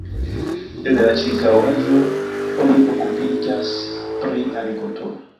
En la ĉirkaŭaĵo oni okupiĝas pri agrikulturo.